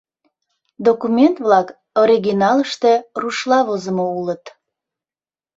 Документ-влак оригиналыште рушла возымо улыт.